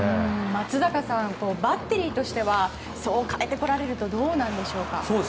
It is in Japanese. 松坂さんバッテリーとしてはそう変えてこられるとどうなんでしょうか？